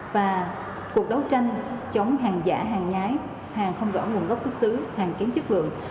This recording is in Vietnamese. và cuộc đấu tranh chống hàng giả hàng nhái hàng không rõ nguồn gốc xuất xứ hàng kém chất lượng